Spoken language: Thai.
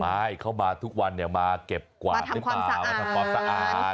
ไม่เขามาทุกวันมาเก็บกว่าไม่มามาทำความสะอาด